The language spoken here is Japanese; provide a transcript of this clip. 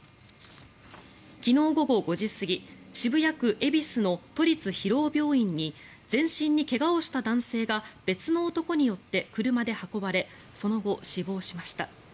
昨日午後５時過ぎ渋谷区恵比寿の都立広尾病院に全身に怪我をした男性が別の男に車によって運ばれその後、死亡しました。